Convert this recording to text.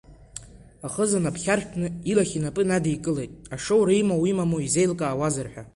Ахыза наԥхьаршәҭны, илахь инапы надикылеит, ашоура имоу-имаму изеилкаауазар ҳәа.